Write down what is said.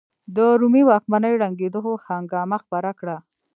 د رومي واکمنۍ ړنګېدو هنګامه خپره کړه.